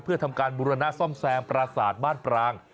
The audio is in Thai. เพื่อทำการบุรณะซ่อมแซมปราศาสตร์บ้านปราง